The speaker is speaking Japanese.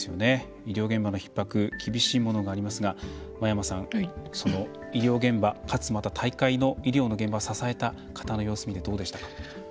医療現場のひっ迫厳しいものがありますが真山さん、医療現場、かつ大会の医療の現場支えた方の様子を見てどうでしたか？